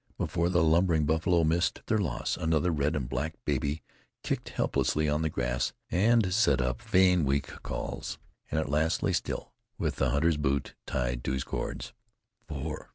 Before the lumbering buffalo missed their loss, another red and black baby kicked helplessly on the grass and sent up vain, weak calls, and at last lay still, with the hunter's boot tied to his cords. Four!